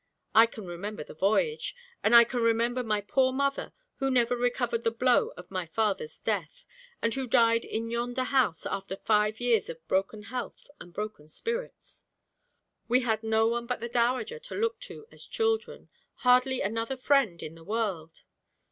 I can remember the voyage and I can remember my poor mother who never recovered the blow of my father's death, and who died in yonder house, after five years of broken health and broken spirits. We had no one but the dowager to look to as children hardly another friend in the world.